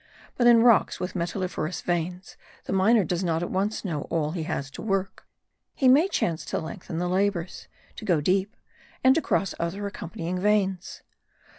But in rocks with metalliferous veins the miner does not at once know all he has to work. He may chance to lengthen the labours, to go deep, and to cross other accompanying veins.